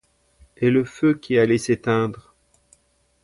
Et le feu qui allait s'éteindre!